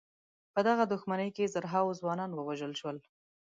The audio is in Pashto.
په دغه دښمنۍ کې زرهاوو ځوانان ووژل شول.